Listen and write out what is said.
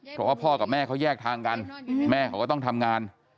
เพราะว่าพ่อกับแม่เขาแยกทางกันแม่เขาก็ต้องทำงาน